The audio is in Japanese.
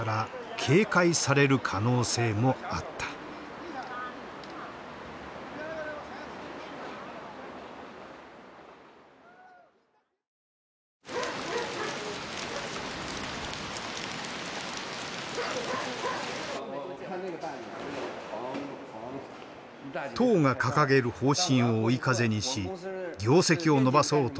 党が掲げる方針を追い風にし業績を伸ばそうとしている波。